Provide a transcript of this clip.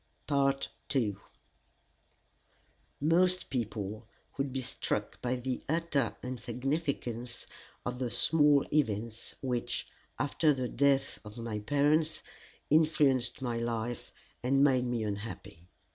II Most people would be struck by the utter insignificance of the small events which, after the death of my parents, influenced my life and made me unhappy.